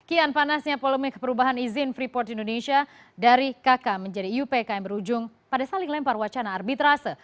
kian panasnya polemik perubahan izin freeport indonesia dari kk menjadi iupk yang berujung pada saling lempar wacana arbitrase